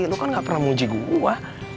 lu kan ga pernah muji gue